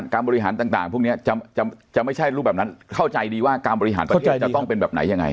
บริหารต่างพวกนี้จะไม่ใช่รูปแบบนั้นเข้าใจดีว่าการบริหารประเทศจะต้องเป็นแบบไหนยังไง